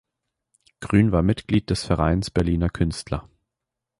Grün war Mitglied des Vereins Berliner Künstler.